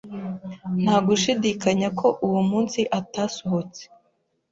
Nta gushidikanya ko uwo munsi atasohotse.